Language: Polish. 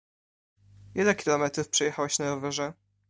Ile kilometrów przejechałeś na rowerze?